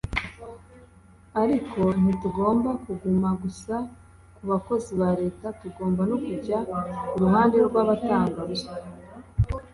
a riko ntitugomba kuguma gusa ku bakozi ba leta tugomba no kujya ku ruhande rw’abatanga ruswa